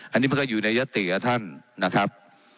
อันนี้มันก็อยู่ในยติกับท่านนะครับ